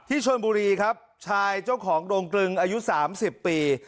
ที่ชนบุรีครับชายเจ้าของโรงกรึงอายุสามสิบปี